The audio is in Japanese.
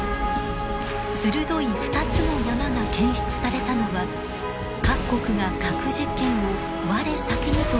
鋭い２つの山が検出されたのは各国が核実験を我先にと繰り返した時期。